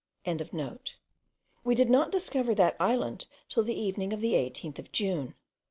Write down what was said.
we did not discover that island till the evening of the 18th of June.